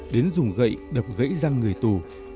đến dùng gậy đập gãy răng người tù